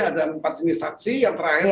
ada empat jenis saksi yang terakhir